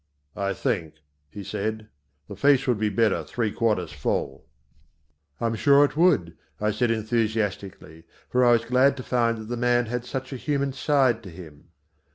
"I think," he said, "the face would be better three quarters full." "I'm sure it would," I said enthusiastically, for I was glad to find that the man had such a human side to him.